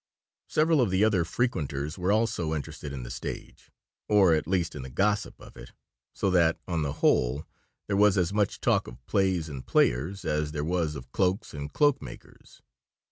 Several of the other frequenters were also interested in the stage, or at least in the gossip of it; so that, on the whole, there was as much talk of plays and players as there was of cloaks and cloak makers.